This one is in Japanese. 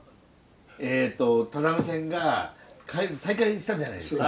えっと只見線が再開したじゃないですか